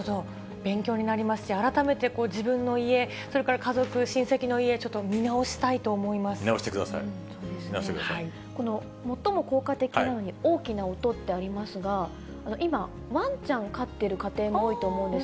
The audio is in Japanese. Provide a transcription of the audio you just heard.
勉強になりますし、改めて自分の家、それから家族、親戚の家、ちょっと見直したいと見直してください、見直してこの最も効果的なのに大きな音ってありますが、今、ワンちゃん飼ってる家庭も多いと思うんですよ。